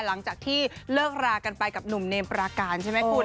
หลังจากที่เลิกรากันไปกับหนุ่มเนมปราการใช่ไหมคุณ